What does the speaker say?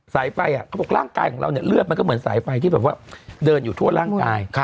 สายไฟเขาบอกร่างกายของเราเนี่ยเลือดมันก็เหมือนสายไฟที่แบบว่าเดินอยู่ทั่วร่างกาย